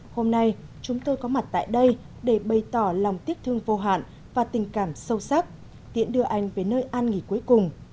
hôm nay chúng tôi có mặt tại đây để bày tỏ lòng tiếc thương vô hạn và tình cảm sâu sắc tiễn đưa anh về nơi an nghỉ cuối cùng